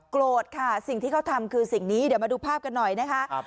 โกรธค่ะสิ่งที่เขาทำคือสิ่งนี้เดี๋ยวมาดูภาพกันหน่อยนะคะ